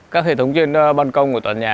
các hệ thống trên băn công của toàn nhà